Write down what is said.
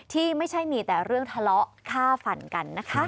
ที่ไม่ใช่มีแต่เรื่องทะเลาะฆ่าฝันกันนะคะ